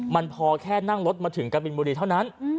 มันพอแค่นั่งรถมาถึงกะบินบุรีเท่านั้น